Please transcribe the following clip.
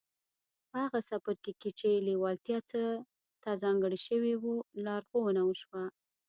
په هغه څپرکي کې چې لېوالتیا ته ځانګړی شوی و لارښوونه وشوه.